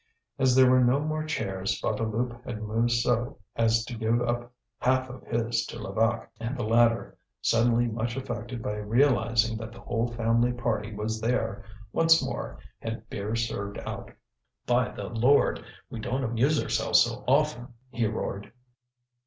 As there were no more chairs, Bouteloup had moved so as to give up half of his to Levaque. And the latter, suddenly much affected by realizing that the whole family party was there, once more had beer served out. "By the Lord! we don't amuse ourselves so often!" he roared.